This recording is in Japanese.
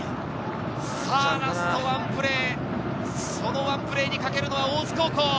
ラストワンプレー、そのワンプレーにかけるのは大津高校。